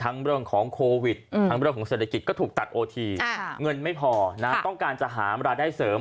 เงินไม่พอต้องการจะหาเมื่อได้เสริม